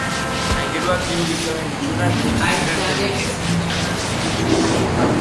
Aingeruak hiru gizonen itxuran jaitsi ziren zerutik.